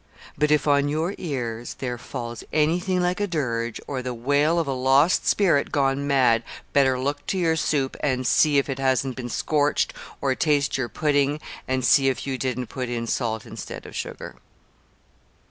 But if on your ears there falls anything like a dirge, or the wail of a lost spirit gone mad, better look to your soup and see if it hasn't been scorched, or taste of your pudding and see if you didn't put in salt instead of sugar."